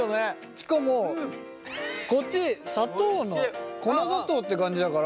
しかもこっち砂糖の粉砂糖って感じだから。